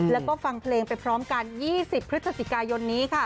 แล้วก็ฟังเพลงไปพร้อมกัน๒๐พฤศจิกายนนี้ค่ะ